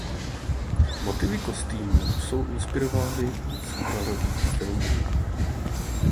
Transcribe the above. Motivy kostýmů jsou inspirovány z hororových filmů.